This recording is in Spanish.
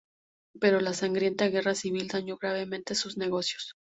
Pero la sangrienta Guerra Civil daño gravemente sus negocios.